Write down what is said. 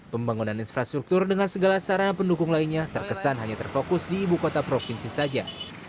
pembangunan infrastruktur dengan segala sarana pendukung lainnya terkesan hanya terfokus di ibu kota provinsi saja